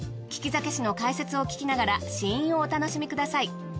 き酒師の解説を聞きながら試飲をお楽しみください。